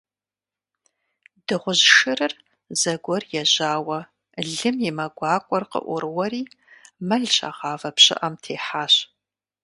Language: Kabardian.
Дыгъужь шырыр зэгуэр ежьауэ лым и мэ гуакӀуэр къыӀурыуэри, мэл щагъавэ пщыӀэм техьащ.